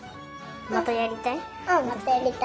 またやりたい？